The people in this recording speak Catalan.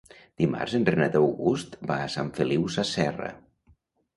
Dimarts en Renat August va a Sant Feliu Sasserra.